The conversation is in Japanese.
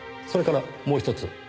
それからもう一つ。